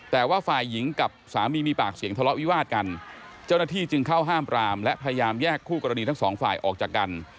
แต่ว่าฝ่ายหญิงกับสามีมีปากเสียงทะเลาะวิวาดกันเจ้าหน้าที่จึงเข้าห้ามปรามและพยายามแยกคู่กรณีทั้งสองฝ่ายออกจากกัน